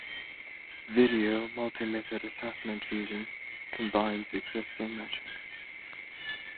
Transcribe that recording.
Video Multimethod Assessment Fusion combines existing metrics.